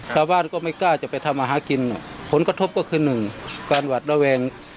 ชาวบ้านก็ไม่กล้าจะไปทำอาหารกินผลกระทบก็คือหนึ่งการหวัดระแวง